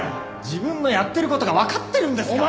自分のやってる事がわかってるんですか！？